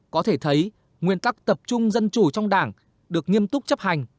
có thể thấy nguyên tắc tập trung dân chủ trong đảng được nghiêm túc chấp hành